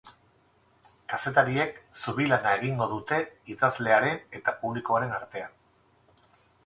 Kazetariek zubi lana egingo dute idazlearen eta publikoaren artean.